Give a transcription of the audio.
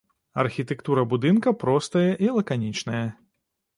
Архітэктура будынка простая і лаканічная.